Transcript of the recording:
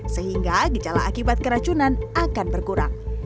sehingga gejala akibat keracunan akan berkurang